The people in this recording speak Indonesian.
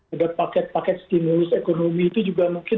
ada paket paket stimulus ekonomi itu juga mungkin